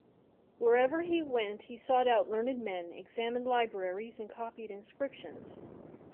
Wherever he went he sought out learned men, examined libraries, and copied inscriptions.